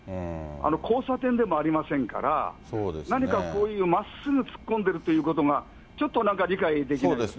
交差点でもありませんから、何か、こういうまっすぐ突っ込んでるということが、ちょっとなんか理解できないですね。